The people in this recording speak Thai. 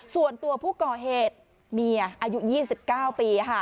ส่วนตัวผู้ก่อเหตุเมียอายุ๒๙ปี